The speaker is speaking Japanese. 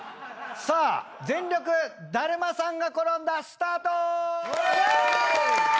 さあ全力だるまさんが転んだスタート！